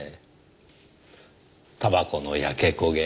たばこの焼け焦げ。